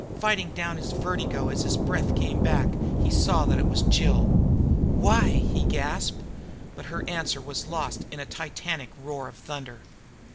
Fighting down his vertigo as his breath came back, he saw that it was Jill. "Why?" he gasped, but her answer was lost in a titanic roar of thunder.